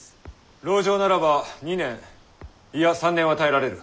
籠城ならば２年いや３年は耐えられる。